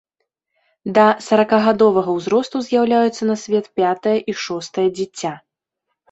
Да саракагадовага ўзросту з'яўляюцца на свет пятае і шостае дзіця.